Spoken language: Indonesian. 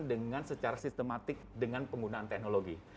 dengan secara sistematik dengan penggunaan teknologi